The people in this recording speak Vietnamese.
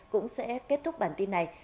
cũng sẽ kết thúc bản tin này